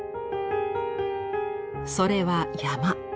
それは「山」。